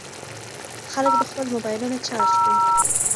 خلک به خپل موبایلونه چارج کړي.